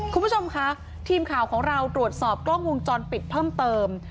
คุณผู้ชมคะทีมข่าวของเราตรวจสอบกล้องวงจรปิดเพิ่มเติม